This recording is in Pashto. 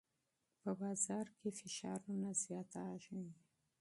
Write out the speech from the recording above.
په بازار کې فشارونه زیاتېږي.